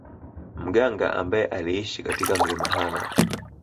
Mganga ambaye aliishi katika mlima Hanah